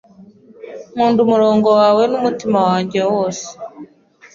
“Nkunda umurongo wawe n'umutima wanjye woe,